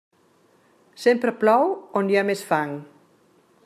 Sempre plou on hi ha més fang.